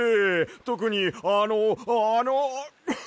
とくにあのあの。